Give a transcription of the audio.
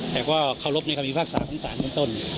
แต่ก็เคารพในความวิภาคศาสตร์ของศาลในต้น